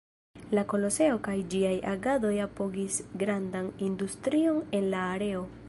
La Koloseo kaj ĝiaj agadoj apogis grandan industrion en la areo.